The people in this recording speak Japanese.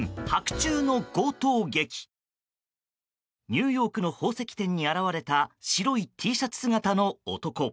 ニューヨークの宝石店に現れた白いＴシャツ姿の男。